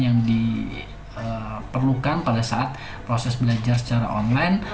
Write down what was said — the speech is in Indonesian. yang diperlukan pada saat proses belajar secara online